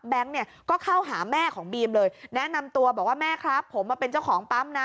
เนี่ยก็เข้าหาแม่ของบีมเลยแนะนำตัวบอกว่าแม่ครับผมมาเป็นเจ้าของปั๊มนะ